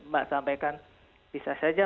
mbak sampaikan bisa saja